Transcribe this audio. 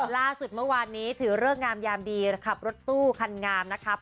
ล่าสุดเมื่อวานนี้ถือเลิกงามยามดีขับรถตู้คันงามนะครับ